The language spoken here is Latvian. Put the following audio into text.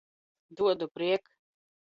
Dodu priek